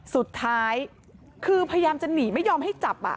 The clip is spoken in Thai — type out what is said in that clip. สุดท้ายคือพยายามจะหนีไม่ยอมให้จับ